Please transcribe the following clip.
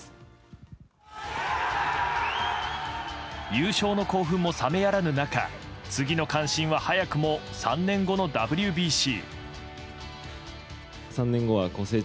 優勝の興奮も冷めやらぬ中次の関心は早くも３年後のＷＢＣ。